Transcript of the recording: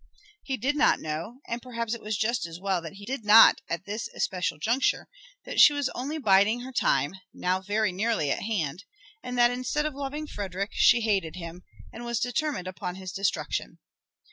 He did not know, and perhaps it was just as well that he did not at this especial juncture, that she was only biding her time now very nearly at hand and that instead of loving Frederick, she hated him, and was determined upon his destruction.